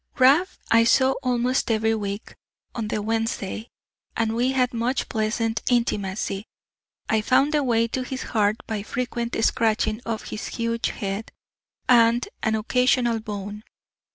Rab I saw almost every week, on the Wednesday; and we had much pleasant intimacy. I found the way to his heart by frequent scratching of his huge head, and an occasional bone.